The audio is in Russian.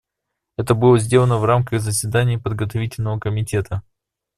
Это было сделано в рамках заседаний Подготовительного комитета.